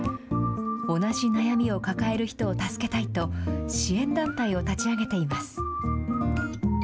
同じ悩みを抱える人を助けたいと、支援団体を立ち上げています。